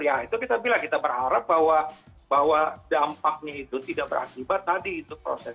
ya itu kita bilang kita berharap bahwa dampaknya itu tidak berakibat tadi itu proses